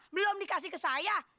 belom dikasih ke saya